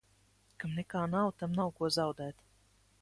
Kam nekā nav, tam nav ko zaudēt.